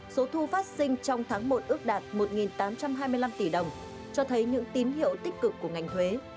số thu phát sinh trong tháng một ước đạt một tám trăm hai mươi năm tỷ đồng cho thấy những tín hiệu tích cực của ngành thuế